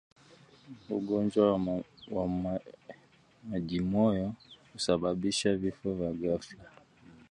Ugonjwa wa majimoyo husababisha vifo vya ghafla